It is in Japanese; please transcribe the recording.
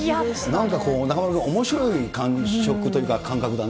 なんか中丸君、おもしろい感触というか、感覚だね。